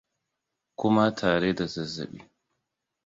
kuma tare da zazzaɓi